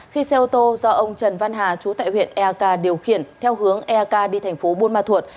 khi xe ô tô do ông trần văn hà chú tại huyện ea k điều khiển theo hướng ea k đi thành phố buôn ma thuột